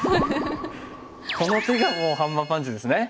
この手がもうハンマーパンチですね。